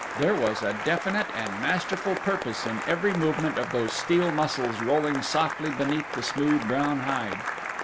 There was a definite and masterful purpose in every movement of those steel muscles rolling softly beneath the smooth brown hide.